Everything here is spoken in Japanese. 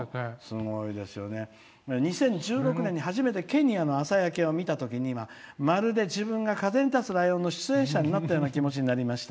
「２０１６年に初めてケニアの朝焼けを見たときにはまるで自分が「風に立つライオン」の出演者になった気持ちになりました。